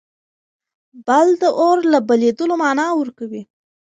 بل د اور له بلېدلو مانا ورکوي.